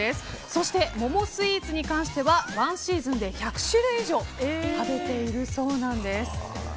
そして桃スイーツに関してはワンシーズンで１００種類以上食べているそうなんです。